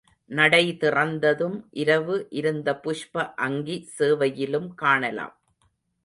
நடை திறந்ததும், இரவு இருந்த புஷ்ப அங்கி சேவையிலும் காணலாம்.